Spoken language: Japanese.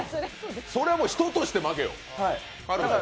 それは人として負けよ。